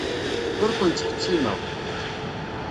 Ur ken-ttḥettimeɣ.